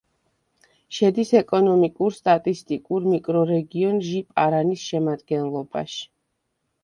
შედის ეკონომიკურ-სტატისტიკურ მიკრორეგიონ ჟი-პარანის შემადგენლობაში.